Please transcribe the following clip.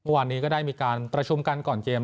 วันนี้ก็ได้มีการประชุมกันก่อนเกม